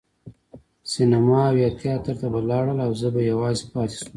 سینما او یا تیاتر ته به لاړل او زه به یوازې پاتې شوم.